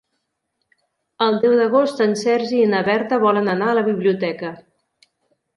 El deu d'agost en Sergi i na Berta volen anar a la biblioteca.